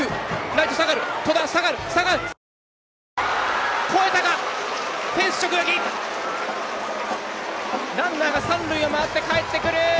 ランナーが三塁を回ってかえってくる。